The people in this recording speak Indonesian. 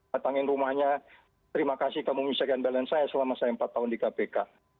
datangin rumahnya terima kasih kamu mengecek balance saya selama saya empat tahun di kpk